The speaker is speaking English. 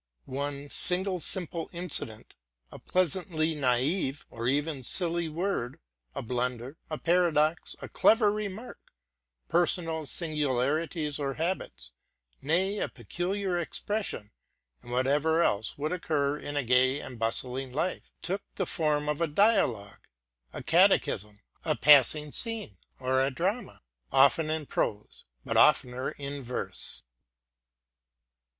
One single simple incident, a pleasantly naive or even silly word, a blunder, a paradox, a cleyer remark, personal singularities or habits, nay, a peculiar expression, and whatever else would occur in a gay and bustling life, took the form of a dialogue, a catechism, a passing scene, or a drama, — often in prose, but oftener in verse.